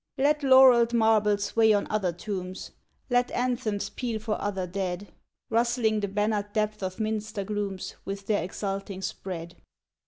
Let laurelled marbles weigh on other tombs, Let anthems peal for other dead, Rustling the bannered depth of minster glooms With their exulting spread.